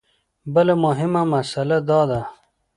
بله مهمه مسله دا ده.